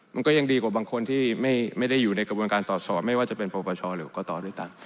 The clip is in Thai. มันก็ยังดีกว่าบางคนที่ไม่ได้อยู่ในกระบวนการตรวจสอบไม่ว่าจะเป็นปรปชหรือกตด้วยกัน